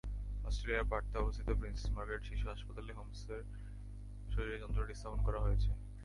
অস্ট্রেলিয়ার পার্থে অবস্থিত princess Margaret শিশু হাসপাতালে হেমসের শরীরে যন্ত্রটি স্থাপন করা হয়েছে।